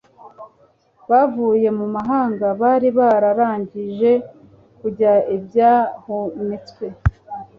bavuye mu mahanga bari bararangije kurya ibyahunitswe